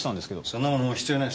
そんなものもう必要ない。